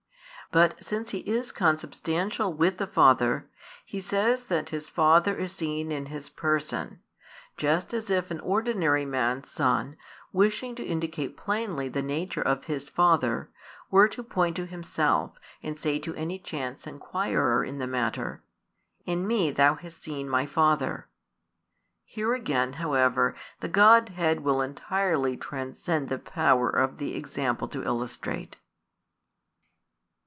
But since He is Consubstantial with the Father, He says that His Father is seen in His Person; just as if an ordinary man's son, wishing to indicate plainly the nature of his father, were to point to himself and say to any chance inquirer in the matter: "In me thou hast seen my father." Here again, however, the Godhead will entirely transcend the power of the example to illustrate.